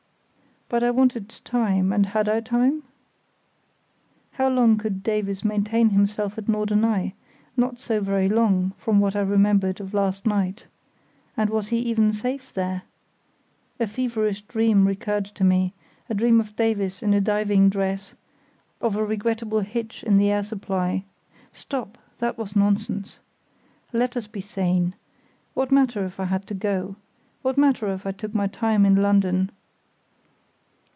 But I wanted time, and had I time? How long could Davies maintain himself at Norderney? Not so very long, from what I remembered of last night. And was he even safe there? A feverish dream recurred to me—a dream of Davies in a diving dress; of a regrettable hitch in the air supply—Stop, that was nonsense!... Let us be sane. What matter if he had to go? What matter if I took my time in London?